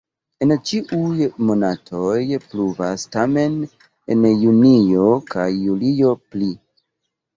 En ĉiuj monatoj pluvas, tamen en junio kaj julio pli.